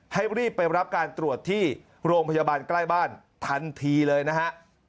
ให้รีบไปรับการตรวจที่โรงพยาบาลใกล้บ้านทันทีเลยนะฮะ